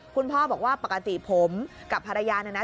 คุณพ่อบอกว่าปกติผมกับภรรยาเนี่ยนะ